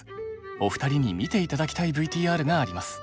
お二人に見て頂きたいＶＴＲがあります。